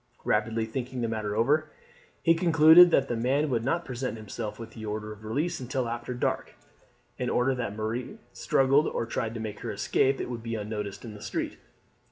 Rapidly thinking the matter over, he concluded that the man would not present himself with the order of release until after dark, in order that if Marie struggled or tried to make her escape it would be unnoticed in the street.